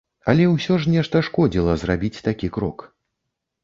Але ўсё ж нешта шкодзіла зрабіць такі крок.